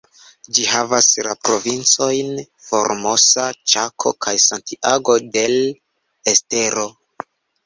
Ĝi enhavas la provincojn Formosa, Ĉako, kaj Santiago del Estero.